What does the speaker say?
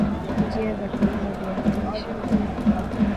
Njia za kulima viazi lishe